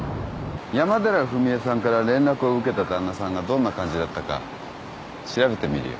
山寺史絵さんから連絡を受けた旦那さんがどんな感じだったか調べてみるよ。